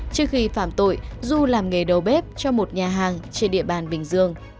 trước khi phạm tội du làm nghề đầu bếp cho một nhà hàng trên địa bàn bình dương